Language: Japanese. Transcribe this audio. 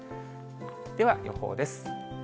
では予報です。